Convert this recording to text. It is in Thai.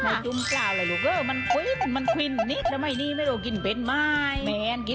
มันอุ่งบราวอะไรลูกเอ้อมันควินมี่สิ